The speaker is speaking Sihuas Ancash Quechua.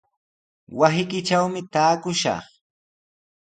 Wasiykitrawmi taakushaq.